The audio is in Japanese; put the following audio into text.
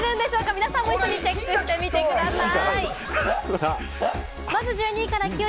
皆さんも一緒にチェックしてみてください。